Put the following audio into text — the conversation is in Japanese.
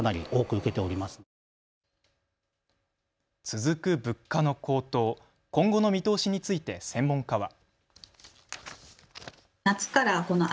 続く物価の高騰、今後の見通しについて専門家は。